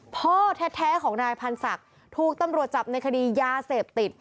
พ่อแท้ของนายพันธ์ศักดิ์ถูกตำรวจจับในคดียาเสพติด